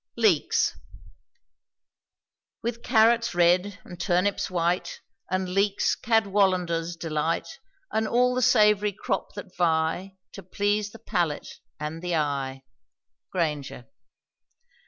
LEEKS. With carrots red, and turnips white, And leeks, Cadwallader's delight, And all the savory crop that vie To please the palate and the eye. GRAINGER.